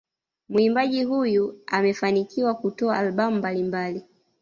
Muimbaji huyu amefanikiwa kutoa albamu mbalimbali